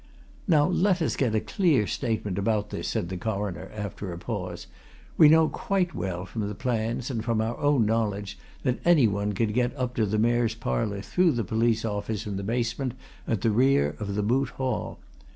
"Now let us get a clear statement about this," said the Coroner, after a pause. "We know quite well from the plans, and from our own knowledge, that anyone could get up to the Mayor's Parlour through the police office in the basement at the rear of the Moot Hall.